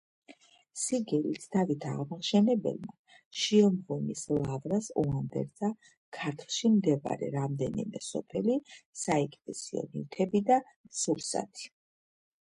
სიგელით დავით აღმაშენებელმა შიომღვიმის ლავრას უანდერძა ქართლში მდებარე რამდენიმე სოფელი, საეკლესიო ნივთები და სურსათი.